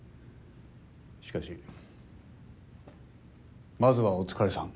しかしまずはお疲れさん。